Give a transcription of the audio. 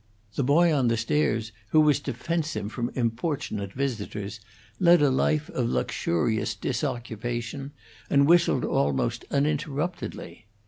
The boy on the stairs, who was to fence him from importunate visitors, led a life of luxurious disoccupation, and whistled almost uninterruptedly.